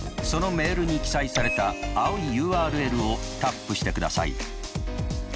そのメールに記載された青いＵＲＬをタップしてください。